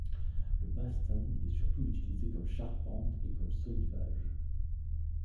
Le basting est surtout utilisé comme charpente et comme solivage.